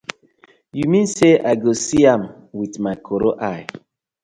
Yu mean say I go see am wit my koro eye?